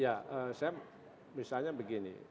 ya sam misalnya begini